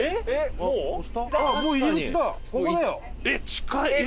えっ近い。